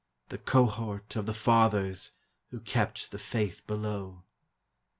The cohort of the Fathers Who kept the faith below.